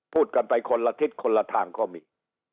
พูดกันไปคนละทิศคนละทางก็มี